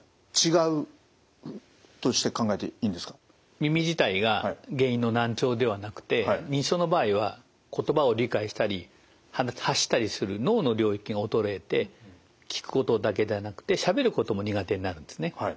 耳自体が原因の難聴ではなくて認知症の場合は言葉を理解したり発したりする脳の領域が衰えて聞くことだけではなくてしゃべることも苦手になるんですね。